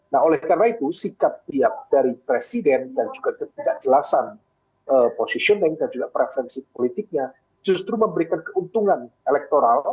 nah oleh karena itu sikap pihak dari presiden dan juga ketidakjelasan positioning dan juga preferensi politiknya justru memberikan keuntungan elektoral